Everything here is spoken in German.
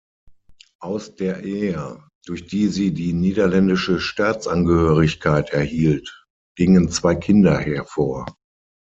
Aus der Ehe, durch die sie die niederländische Staatsangehörigkeit erhielt, gingen zwei Kinder hervor.